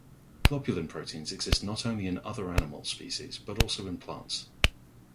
Globulin proteins exist not only in other animal species, but also in plants.